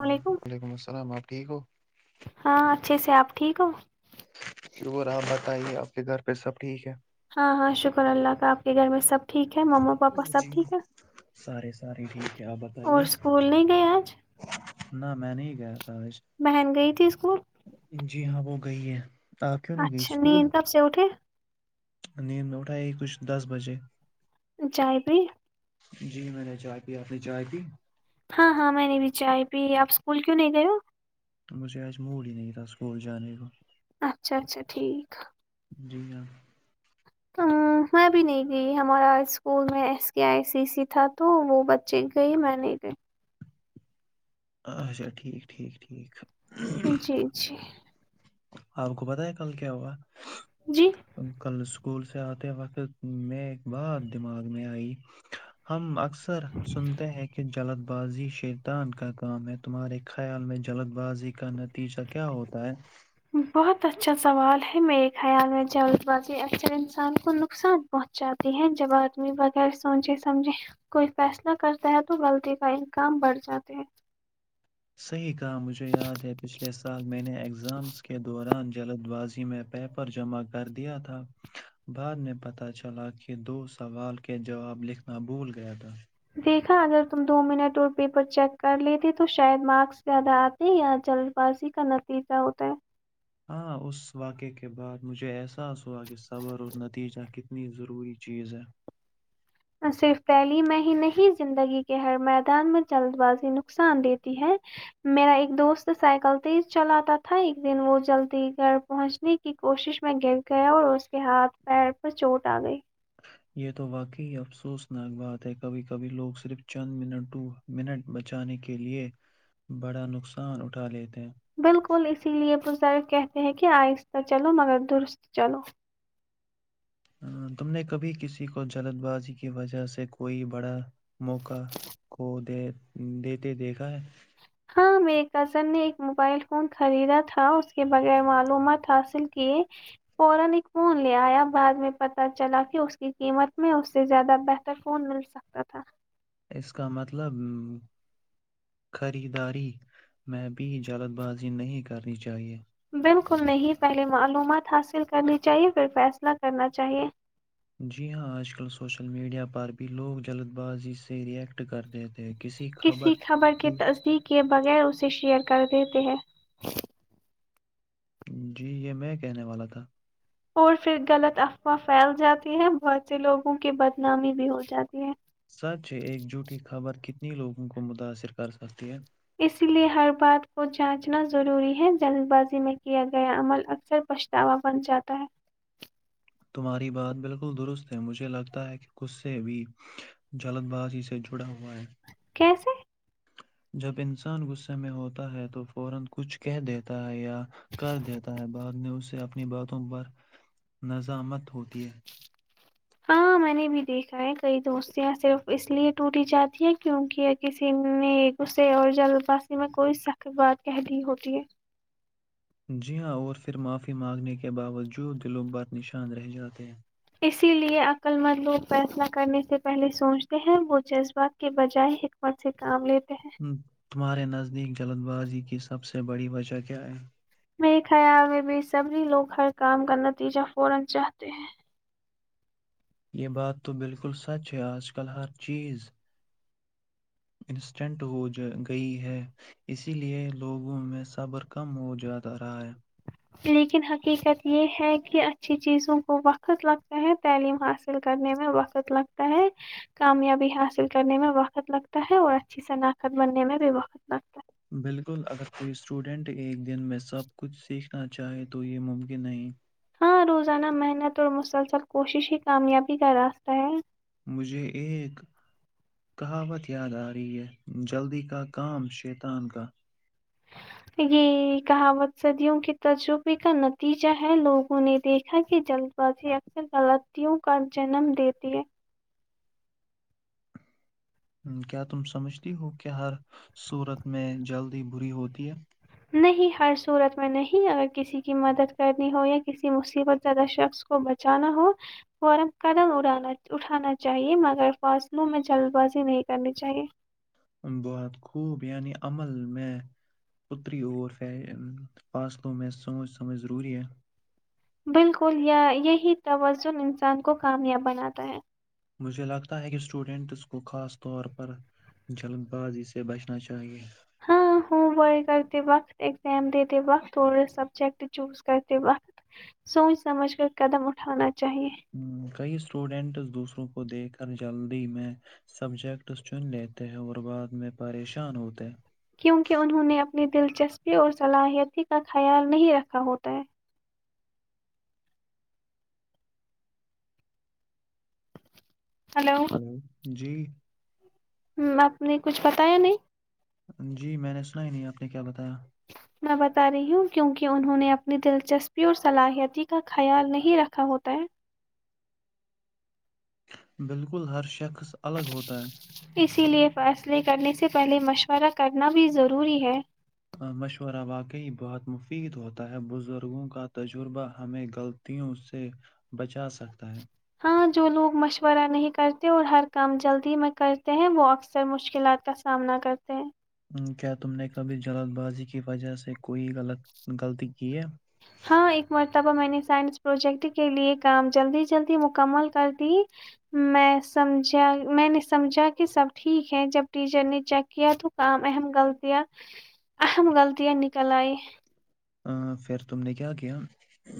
اللام علیکم وعلیکم السلام آپ ٹھیک ہو ہاں اچھے سے آپ [inaudible] ٹھیک ہو [inaudible] شور آپ بتائیے آپ کے گھر پہ سب ٹھیک ہے [inaudible] ہاں ہاں شکر اللہ کا آپ کے گھر میں سب [unintelligible] ٹھیک ہے مما پاپا جی سب ٹھیک ہے سارے سارے ٹھیک ہے آپ اور بتائیے اسکول نہیں گئے آج [inaudible] نہ میں نے گ [inaudible] بہن گئی تھی اسکول [unintelligible] جی ہاں وہ گئی ہے [inaudible] [unintelligible] نہیں گئی اچھا اسکول نیند کب سے اٹے [unintelligible] [unintelligible] نیند میں اٹھائی کچھ دس بجے [inaudible] [unintelligible] جائے بھی [unintelligible] [unintelligible] جی میں نے چاہ ت آپ نے چاہ ت [inaudible] [unintelligible] ا آپ اسکول کیوں نہیں گئے ہو [inaudible] مجھے آج موڈ ہی نہیں تھا اسکول جانے کا [inaudible] اچھا اچھا ٹھیک [unintelligible] جی ہاں [inaudible] میں بھی نہیں گئی ہمارا اسکول میں S K I C C تھا تو وہ بچے گئی میں نہیں گئی [inaudible] اھا ٹھیک ٹھیک ٹھیک [inaudible] جی جی [inaudible] آپ کو پتا ہے کل کیا ہوا جی [inaudible] کل [inaudible] اسکول سے آتے وقت میں ایک بات دماغ میں آئی ہم اکثر [inaudible] سر سنتے ہیں کہ جلد بازی شیطان کا کام ہے تمہارے خیال میں جلد بازی کا نت تیسا کیا ہوتا ہے بہت اچھا سوال ہے میرے خیال میں جلد بازی اکثر انسان کو نقصان پہنچ جاتی ہے جب آدمی بغیر سوچے سمجھے کوئی فیصلہ کرتا ہے تو غلطی کا امکام بڑھ جاتا ہے صحیح کہا مجھے یاد ہے پچھلے سال میں نے ایگزامس کے دوران جلد بازی میں پیپر جمع کر دیا تھا بعد میں پتہ چلا کہ دو سوال کے جواب لکھنا بھول گیا تھا دیکھا اگر تم دو منٹ اور پیپر چیک کر لیتے تو شاید مارکس زیادہ آتے ہیں یا جلد بازی کا نتیجہ ہوتا ہے ہاں اس واقعے کے بعد مجھے احساس ہوا کہ صبر اور نتیجہ کتنی ضروری چیز ہے صرف پہلی میں ہی نہیں زندگی کے ہر میدان میں جلد بازی نقصان دیتی ہے میرا ایک دوست سائیکل تیز چلاتا تھا ایک دن وہ جلدی گھر پہنچنے کی کوشش میں گر گیا اور اس کے ہاتھ پیر پر چوٹ آ گئی یہ تو واقعی افسوسناک بات ہے کبھی کبھی لوگ صرف چند منٹ ٹو منٹ بچانے کے لیے بڑا نقصان اٹھا لیتے ہیں بالکل اسی لیے سر کہتے ہیں کہ آہستہ چلو مگر درست چلو تم نے کبھی کسی کو جلد بازی کی وجہ سے کوئی بڑا موقع کو د دیتے دیکھا ہے ہاں میں قسم نے ایک موبائل فون خریدا تھا اس کے بغیر معلومات حاصل کیے اور علی کون لے ایا بعد میں پتہ چلا کہ اس کی قیمت میں اس سے زیادہ بہتر فون مل سکتا تھا اس کا مطلب خریداری میں بھی جلد بازی نہیں کرنی چاہیے بالکل نہیں پہلے معلومات حاصل کرنی چاہیے پھر فیصلہ کرنا چاہیے جی ہاں آج کل سوشل میڈیا پر بھی لوگ جلد بازی سے ریئیکٹ کرتے تھے کسی خبر کے تصدیق کے بغیر اسے شیئر کر دیتے ہے جی یہ میں کہنے والا تھا اور پھر غلط افواہ پھیل جاتی ہے بہت سے لوگوں کی بدنامی بھی ہو جاتی ہے سچ ایک جھوٹی خبر کتنی لوگوں کو متاثر کر سکتی ہے اسی لئے ہر بات کو جانچنا ضروری ہے جلد بازی میں کیا گیا عمل اکثر پچھتاوا بن جاتا ہے تمہاری بات بالکل درست ہے مجھے لگتا ہے کہ ک سے بھی جلد بازی سے جڑا ہوا ہے کیسے جب انسان غصے میں ہوتا ہے تو فورا کچھ کہہ دیتا ہے یا کر دیتا ہے بعد میں اسے اپنی باتوں پر نظامت ہوتی ہے ہاں میں نے بھی دیکھا ہے کئی دوستیاں صرف اس لیے ٹوٹی جاتی ہیں کیونکہ کسی نے گے اور جلد بازی میں کوئی سخت بات کہہ دی ہوتی ہے ج ہاں اور پھر معافی مانگنے کے باوجود دلوں بر نشان رہ جاتے ہیں اسی لیے عقل مند لوگ فیصلہ کرنے سے پہلے سوچتے ہیں وہ جذبات کے بجائے حکمت سے کام لیتے ہیں تمہارے نزدیک جلد بازی کی سب سے بڑی وجہ کیا ہے میں خیال بی بی سمری لوگ ہر کام کا نتیجہ فورا چاہتے ہیں یہ بات تو بالکل سچ ہے آج کل ہر چیز انسٹنٹ ہو جا گئی ہے اسی لیے لوگوں میں صبر کم ہو جاتا رہا ہے لیکن حقیقت یہ ہے کہ اچھی چیزوں کو وقت لگتا ہے تعلیم حاصل کرنے میں وقت لگتا ہے کامیابی حاصل کرنے میں وقت لگتا ہے اور اچھی شناخت بننے میں بھی وقت لگتا ہے بالکل اگر کوئی اسٹوڈنٹ ایک دن میں سب کچھ سیکھنا چاہے تو یہ ممکن نہیں ہاں روزانہ محنت اور مسلسل کوشش ہی کامیابی کا راستہ ہے مجھے ایک کہاوت یاد آ رہی ہے جلدی کا کام شیطان کا یہ کہاوت صدیوں کے تجربے کا نتیجہ ہے لوگوں نے دیکھا کہ جلد بازی اکثر غلطیوں کا جنم دیتی ہے کیا تم سمجھتی ہو کہ ہر صورت میں جلد ہی بری ہوتی ہے نہیں ہر صورت میں نہیں کسی کی مدد کرنی ہو سموسے بہت زیادہ شخص کو بچانا ہو فورا قدم اڑانا اٹھانا چاہیے مگر فاصلوں میں جلد بازی نہیں کرنی چاہیے بہت خوب یعنی عمل میں پتری اور فاصلوں میں سوچ سمجھ ضروری ہے بالکل یا یہی توازن انسان کو کامیاب بناتا ہے مجھے لگتا ہے ایک اسٹوڈنٹ کو خاص طور پر جلد بازی سے بچنا چاہیے ہاں ہوم ورک کرتے وقت ایگزام دیتے وقت اورے سبجیکٹ چوز کرتے وقت سوچ سمجھ کر قدم اٹھانا چاہیے ہ کئی اسٹوڈینٹ دوسروں کو دیکھ کر جلدی میں سبجیکٹ چن لیتے ہیں اور بعد میں پریشان ہوتے ہیں کیونکہ انہوں نے اپنی دلچسپی اور صلاحیتی کا خیال نہیں رکھا ہوتا ہے ہلو جی ہ آپ نے کچھ بتایا نہیں جی میں نے سنا ہی نہیں آپ نے کیا بتایا [inaudible] میں بتا رہی ہوں کیونکہ انہوں نے اپنی دلچسپی اور صلاحیتی کا خیال نہیں رکھا ہوتا ہے بالکل ہر شک اسی لیے فیصلے کرنے سے پہلے مشورہ ہ کرنا بھی ضروری ہے مشورہ واقعی بہت مفید ہوتا ہے بزرگوں کا تجربہ ہمیں غلطیوں سے بچا سکتا ہے ہاں جو لوگ مشورہ نہیں کرتے اور ہر کام جلدی میں کرتے ہیں وہ اکثر مشکلات کا سامنا کرتے ہیں کیا تم نے کبھی جلد بازی کی وجہ سے کوئی غلط غلطی کی ہے ہاں ایک مرتبہ میں نے سائنس پروجیکٹ کے لیے کام جلدی جلدی مکمل کر دی میں سمجھا میں نے سمجھا کہ سب ٹھیک ہے جب ٹیچر نے چیک کیا تو کام اہم غلطیاں اہم غلطیاں نکل آئی ا پھر تم نے کیا کیا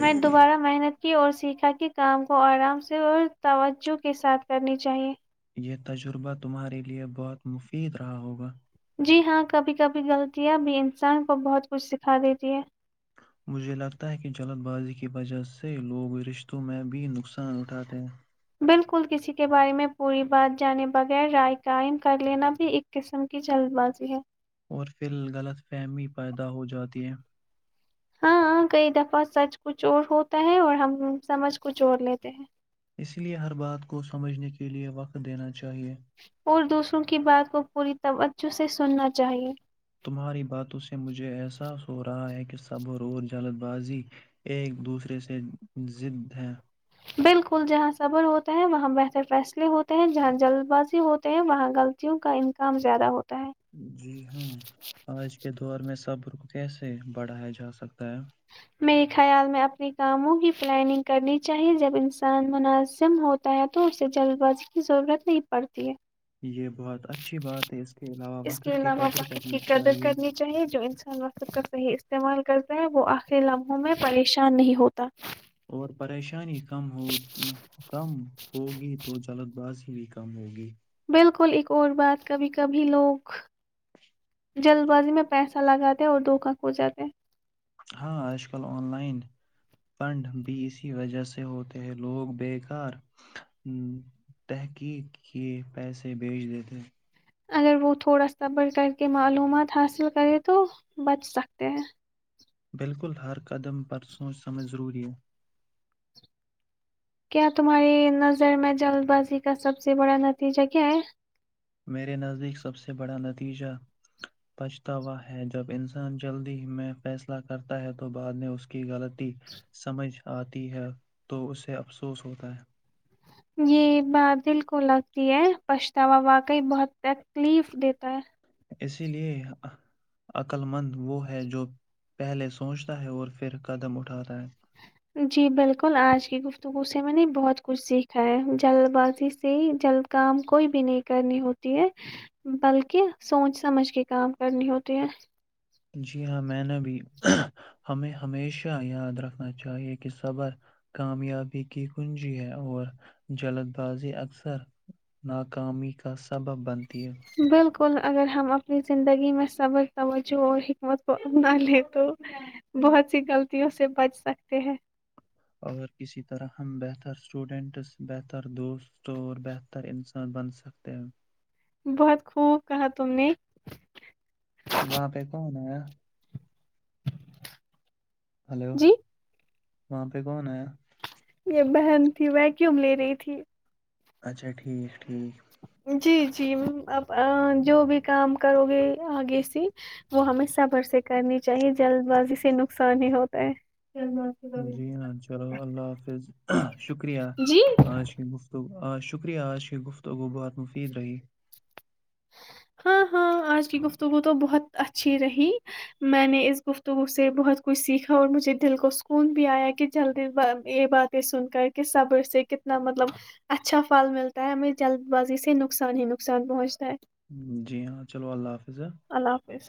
میں دوبارہ محنت کی اور سیکھا کے کام کو آرام سے اور توجہ کے ساتھ کرنی چاہیے یہ تجربہ تمہارے لیے بہت مفید رہا ہوگا جی ہاں کبھی کبھی غلطیاں بھی انسان کو بہت کچھ سکھا دیتی ہے مجھے لگتا ہے کہ جلد بازی کی وجہ سے لوگ رشتوں میں بھی نقصان اٹھاتے ہیں بالکل کسی کے بارے میں پوری بات جانے بغیر رائے قائم کر لینا بھی ایک قسم کی جلد بازی ہے اور پھر غلط فہمی پیدا ہو جاتی ہے ہاں کئی دفعہ سچ کچ چور ہوتا ہے اور ہم سمجھ کو چڑ لیتے ہیں اس لیے ہر بات کو سمجھنے کے لیے وقت دینا چاہیے اور دوسروں کی بات کو پوری ط ے سننا چاہیے تمہاری باتوں سے مجھے احساس ہو رہا ہے کہ صبر اور جلد بازی ایک دوسرے سے زد ہے بالکل جہاں صبر ہوتا ہے وہاں بہتر فیصلے ہوتے ہیں جہاں جلد بازی ہوتے ہیں وہاں غلطیوں کا امکام زیادہ ہوتا [unintelligible] جی ہاں آج کے دور میں سب [unintelligible] کیسے بڑھایا جا سکتا ہے [inaudible] [unintelligible] میرے خیال میں اپنے کاموں کی پلاننگ کرنی چاہیے جب انسان مناظم ہوتا ہے تو اسے جلد باز کی ضرورت نہیں پڑتی ہے [unintelligible] یہ بہت اچھی بات ہے اس کے علاوہ اس کے وقت کی علاوہ قدر وقت کی کرنی قدر چاہیے کرنی چاہیے جو انسان وقت کا صحیح استعمال [unintelligible] کرتے ہیں وہ آخر لمحوں میں پریشان نہیں ہوتا [unintelligible] اور پریشانی [unintelligible] کم کم ہوگی تو چلد باز [inaudible] [unintelligible] بھی کام ہوگی [inaudible] [unintelligible] بالکل ایک اور بات کبھی کبھی لوگ [unintelligible] جلد بازی میں پیسہ لگاتے ہیں اور دھوکا کھو جاتے [unintelligible] ہاں آج کل آن لائن فنڈ بھی اسی وجہ سے ہوتے ہیں لوگ بیکار تحقیق کے پیسے بھیج دیتے ہیں [unintelligible] اگر وہ تھوڑا س بڑھ کر کے معلومات حاصل کرے تو بچ سکتے ہیں بالکل ہر قدم پر سوچ سمجھ ضروری ہے [inaudible] کیا تمہاری نظر میں جلد بازی کا سب سے بڑا نتیجہ کیا ہے میرے نزدیک سب سے بڑا نتیجہ پچھتاوا ہے جب انسان جلدی میں فیصلہ کرتا ہے تو بعد میں اس کی غلطی سمجھ آتی ہے تو اسے افسوس ہوتا ہے یہ ب دل کو لگتی ہے پچھتاوا واقعی بہت تکلیف دیتا ہے اسی لیے عقل مند وہ ہے جو پہلے سوچتا ہے اور پھر قدم اٹھاتا ہے جی بالکل آج کی گفتگو سے میں نے بہت کچھ سیکھا ہے جلد بازی سے جلد کام کوئی بھی نہیں کرنی ہوتی ہے بلکہ سوچ سمجھ کے کام کرنی ہوتی ہے جی ہاں میں نے بھی ہمیں ہمیشہ یاد رکھنا چاہیے کہ صبر کامیابی کی کنجی ہے اور جلد بازی اکثر ناکامی کا سبب بن بالکل اگر ہم اپنی زندگی میں سبر توجہ اور حکمت کو اپنا لیں تو بہت سی غلطیوں سے بچ سکتے ہیں اورگر کسی طرح ہم بہتر اسٹوڈنٹس بہتر دوست اور بہتر انسان بن سکتے ہیں [unintelligible] بہت خوب کہا تم نے [unintelligible] وہاں پہ کون ہے [unintelligible] ہلو جی [unintelligible] وہاں پہ کون ہے [unintelligible] یہ بہن تھی وہ کیوں لے رہی تھی [unintelligible] اچھا ٹھیک ٹھیک [unintelligible] جی جی اب جو بھی کام کرو گے آگے سے وہ ہمیں صفھر سے کرنی چاہیے جلد بازی سے نقصان ہی ہوتا ہے جی ہاں چلو اللہ حافظ [unintelligible] ہاں [unintelligible] شکریہ جی آز کے مفتگ [unintelligible] آ شکریہ آز ش گفتگو بہت مفید رہیے [unintelligible] ہاں ہاں آج کی گفتگو تو بہت اچھی رہی میں نے اس گفتگو سے بہت کچھ سیکھا اور مجھے دل کو سکون بھی آیا کہ جلدی یہ باتیں سن کر کہ صبر سے کتنا مطلب اچھا پھل ملتا ہے ہمیں جلد بازی سے نقصان ہی نقصان پہنچتا ہے [unintelligible] جی ہاں چلو اللہ حافظ ہے [unintelligible] اللہ حافظ